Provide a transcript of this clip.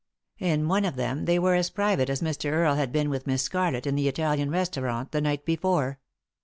In one of them they were aa private as Mr. Earle had been with Miss Scarlett in the Italian restaurant the night before.